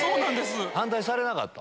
反対されなかった？